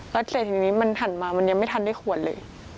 แล้วเสร็จทีนี้มันหันมามันยังไม่ทันได้ขวดเลย